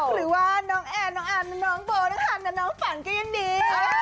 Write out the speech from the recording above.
หรือว่าน้องแอดน้องอันน้องโบน้องฮันและน้องฝังก็ยังดี